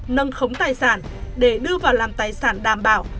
nâng khống tài sản để đưa vào làm tài sản đảm bảo